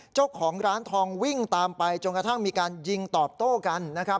เจ้าของร้านทองวิ่งตามไปจนกระทั่งมีการยิงตอบโต้กันนะครับ